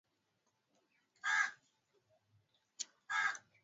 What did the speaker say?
kilimo cha viazi lishe vya aina mbali mbali hufanyika nchini Tanzania